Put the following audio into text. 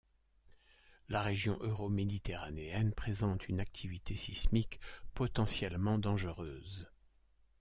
La région euro-méditerranéenne présente une activité sismique potentiellement dangereuse.